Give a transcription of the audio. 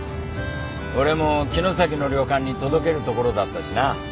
俺も城崎の旅館に届けるところだったしな。